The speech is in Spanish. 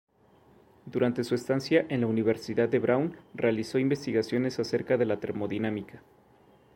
Durante su estancia en la Universidad de Brown realizó investigaciones acerca de la termodinámica.